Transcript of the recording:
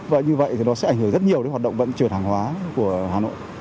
và như vậy thì nó sẽ ảnh hưởng rất nhiều đến hoạt động vận chuyển hàng hóa của hà nội